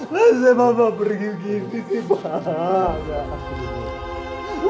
kenapa pergi gini pak